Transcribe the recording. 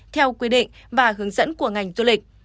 theo quy định và hướng dẫn của ngành du lịch